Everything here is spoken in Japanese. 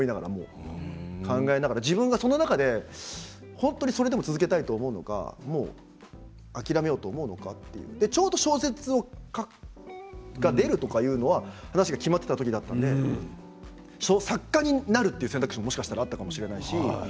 さんざん書かれていて今はとことん沈んでみようと考えながらそれでも続けたいと思うのか諦めようと思うのかちょうど小説が出るとかという話が決まっていた時だったので作家になるという選択肢ももしかしたらあったかもしれない。